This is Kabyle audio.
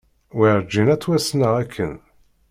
Werǧin ad ttwassneɣ akken.